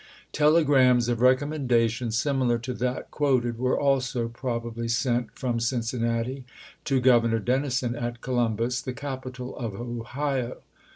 Telegrams of recommendation similar to that quoted were also probably sent from Cincinnati to Governor Dennison at Columbus, the capital of Ohio.